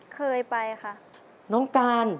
เคยไปค่ะ